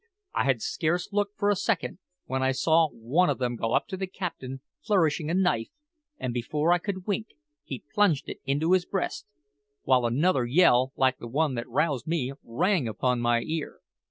I had scarce looked for a second when I saw one o' them go up to the captain flourishing a knife, and before I could wink he plunged it into his breast, while another yell, like the one that roused me, rang upon my ear.